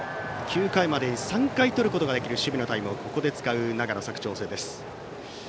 ９回までに３回取ることのできる守備のタイムをここで使う長野・佐久長聖です。